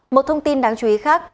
một thông tin đáng chú ý khác